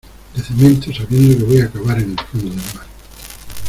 de cemento sabiendo que voy a acabar en el fondo del mar